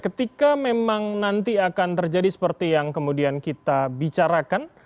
ketika memang nanti akan terjadi seperti yang kemudian kita bicarakan